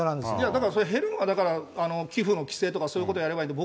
だから、それは減るのは、寄付の規制とかそういうことやればいいんで。